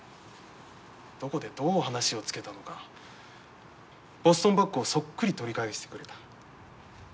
どこでどう話をつけたのかボストンバッグをそっくり取り返してくれた。